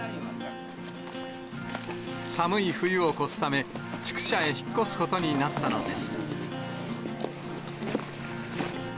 寒い冬を越すため、畜舎へ引っ越すことになったのです。